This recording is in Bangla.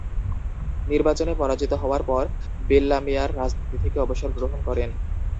নির্বাচনে পরাজিত হওয়ার পর বেল্লামেয়ার রাজনীতি থেকে অবসর গ্রহণ করেন।